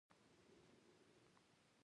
ژوندي په ژوند باور لري